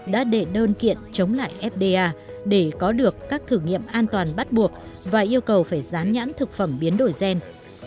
đã đệ đơn kiện chống lại fda để có được các thử nghiệm an toàn bắt buộc và yêu cầu phải dán nhãn thực phẩm biến đổi gen